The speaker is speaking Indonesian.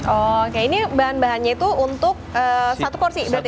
oke ini bahan bahannya itu untuk satu porsi berarti